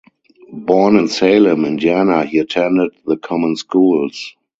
Born in Salem, Indiana, he attended the common schools.